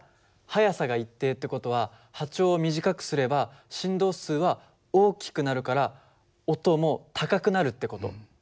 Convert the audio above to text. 速さが一定って事は波長を短くすれば振動数は大きくなるから音も高くなるって事。